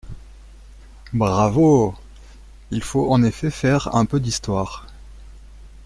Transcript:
Bravo ! Il faut en effet faire un peu d’histoire.